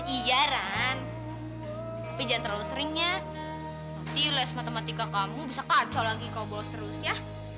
iya ran tapi jangan terlalu sering ya nanti les matematika kamu bisa kacau lagi kau bolos terus ya